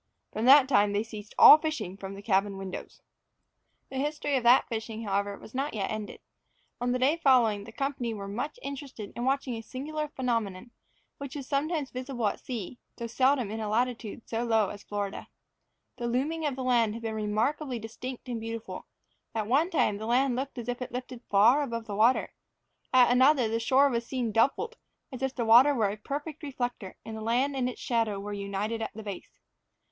From that time they ceased all fishing from the cabin windows. The history of that fishing, however, was not yet ended. On the day following the company were much interested in watching a singular phenomenon, which is sometimes visible at sea, though seldom in a latitude so low as Florida. The looming of the land had been remarkably distinct and beautiful; at one time the land looked as if lifted far above the water; at another the shore was seen doubled, as if the water were a perfect reflector, and the land and its shadow were united at the base.